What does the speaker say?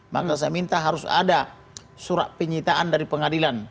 maka saya minta harus ada surat penyitaan dari pengadilan